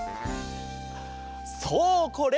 そうこれ！